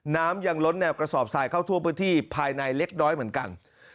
น้ำยังล้นแนวกระสอบทรายเข้าทั่วพื้นที่ภายในเล็กน้อยเหมือนกัน